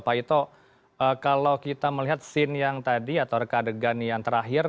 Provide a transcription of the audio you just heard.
pak ito kalau kita melihat scene yang tadi atau reka adegan yang terakhir